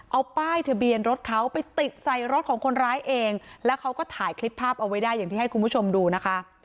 เอาป้ายทะเบียนรถเขาไปติดใส่รถของคนร้ายเองแล้วเขาก็ถ่ายคลิปภาพเอาไว้ได้อย่างที่ให้คุณผู้ชมดูนะคะ